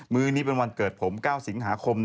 ื้อนี้เป็นวันเกิดผม๙สิงหาคม